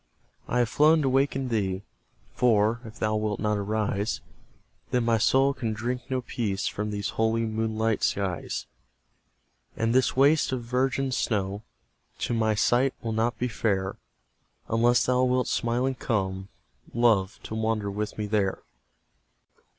I have flown to waken thee For, if thou wilt not arise, Then my soul can drink no peace From these holy moonlight skies. And this waste of virgin snow To my sight will not be fair, Unless thou wilt smiling come, Love, to wander with me there.